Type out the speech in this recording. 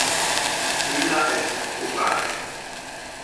Illa es occupate